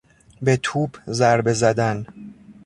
به توپ ضربه زدن